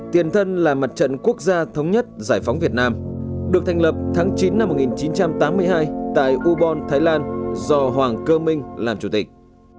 tiền thân là mặt trận quốc gia thống nhất giải phóng việt nam được thành lập tháng chín năm một nghìn chín trăm tám mươi hai tại ubon thái lan do hoàng cơ minh làm chủ tịch